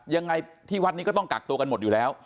ยังไงที่วัดนี้ก็ต้องกักตัวกันหมดอยู่แล้ว